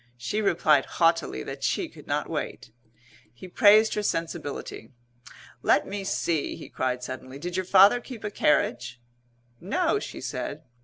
She replied haughtily that she could not wait. He praised her sensibility. "Let me see," he cried suddenly, "did your father keep a carriage?" "No," she said.